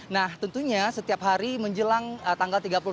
nah tentunya setiap hari menjelang tanggal tiga puluh